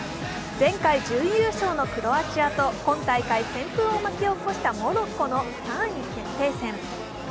前回準優勝のクロアチアと今回旋風を巻き起こしたモロッコとの３位決定戦。